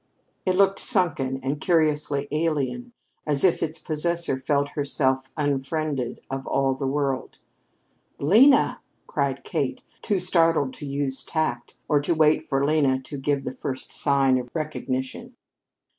It looked sunken and curiously alien, as if its possessor felt herself unfriended of all the world. "Lena!" cried Kate, too startled to use tact or to wait for Lena to give the first sign of recognition.